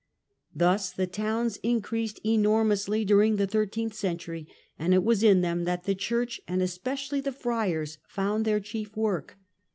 Thus the towns increased enormously during the thir teenth century, and it was in them that the church, and especially the friars, found their chief work.